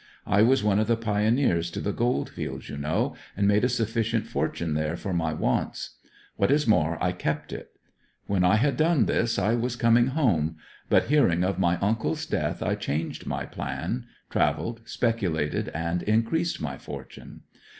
I was one of the pioneers to the gold fields, you know, and made a sufficient fortune there for my wants. What is more, I kept it. When I had done this I was coming home, but hearing of my uncle's death I changed my plan, travelled, speculated, and increased my fortune.